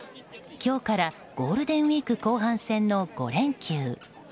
今日からゴールデンウィーク後半戦の５連休。